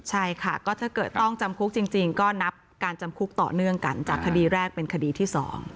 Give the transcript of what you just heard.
ใช่ค่ะก็ถ้าเกิดต้องจำคุกจริงก็นับการจำคุกต่อเนื่องกันจากคดีแรกเป็นคดีที่๒